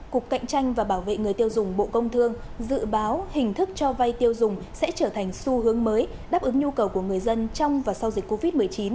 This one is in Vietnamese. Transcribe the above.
cục cạnh tranh và bảo vệ người tiêu dùng bộ công thương dự báo hình thức cho vay tiêu dùng sẽ trở thành xu hướng mới đáp ứng nhu cầu của người dân trong và sau dịch covid một mươi chín